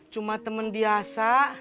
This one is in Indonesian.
cuma temen biasa